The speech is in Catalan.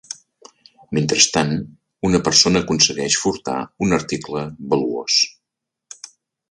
Mentrestant, una persona aconsegueix furtar un article valuós.